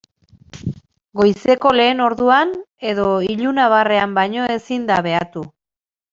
Goizeko lehen orduan edo ilunabarrean baino ezin da behatu.